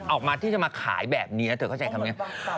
ออกมาที่จะมาขายแบบนี้เธอเข้าใจคำนี้